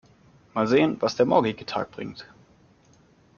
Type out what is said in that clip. Mal sehen, was der morgige Tag bringt.